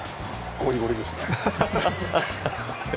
ゴリゴリですね。